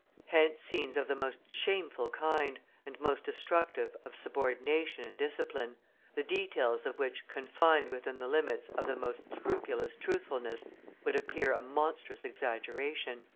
Hence scenes of the most shameful kind and most destructive of subordination and discipline, the details of which confined within the limits of the most scrupulous truthfulness would appear a monstrous exaggeration."